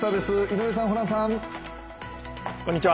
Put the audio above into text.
井上さん、ホランさん。